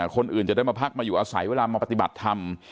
คนอื่นจะได้มาพักมาอยู่อาศัยเวลามาปฏิบัติธรรม